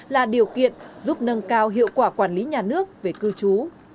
là điều kiện giúp nâng cao hiệu quả quản lý nhà nước về cư trú